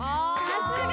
さすが！